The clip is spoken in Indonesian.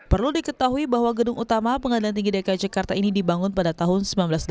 perlu diketahui bahwa gedung utama pengadilan tinggi dki jakarta ini dibangun pada tahun seribu sembilan ratus delapan puluh